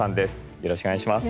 よろしくお願いします。